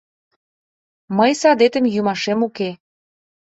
— Мый садетым йӱмашем уке.